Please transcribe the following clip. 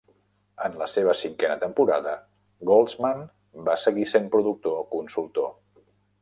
En la seva cinquena temporada, Goldsman va seguir sent productor consultor.